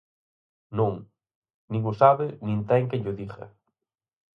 Non, nin o sabe nin ten quen llo diga.